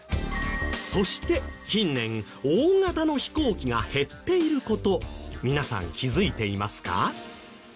そして近年大型の飛行機が減っている事皆さん気付いていますか？